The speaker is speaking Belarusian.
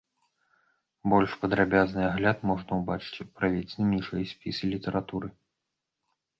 Больш падрабязны агляд можна ўбачыць у прыведзеным ніжэй спісе літаратуры.